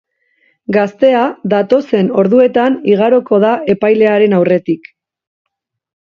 Gaztea datozen orduetan igaroko da epailearen aurretik.